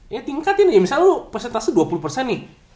ya tingkatnya misalnya lu persentase dua puluh nih